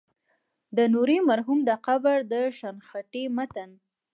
د نوري مرحوم د قبر د شنختې متن.